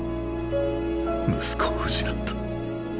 息子を失った。